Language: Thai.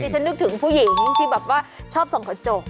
ฉันนึกถึงผู้หญิงที่แบบว่าชอบส่องกระจก